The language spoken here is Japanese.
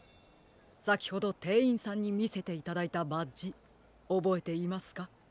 さきほどてんいんさんにみせていただいたバッジおぼえていますか？